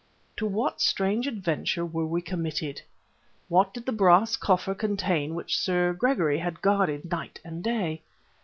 To what strange adventure were we committed? What did the brass coffer contain which Sir Gregory had guarded night and day?